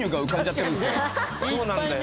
そうなんだよな。